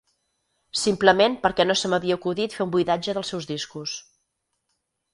Simplement perquè no se m'havia acudit fer un buidatge dels seus discos.